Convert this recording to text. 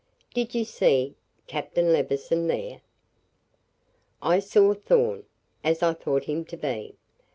"Did you see Captain Levison there?" "I saw Thorn as I thought him to be.